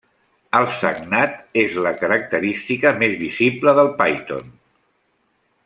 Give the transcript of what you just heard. El sagnat és la característica més visible del Python.